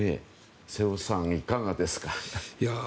瀬尾さん、いかがですか。